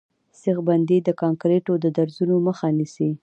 سیخ بندي د کانکریټو د درزونو مخه نیسي